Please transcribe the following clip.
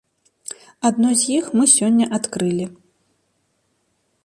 Адно з іх мы сёння адкрылі.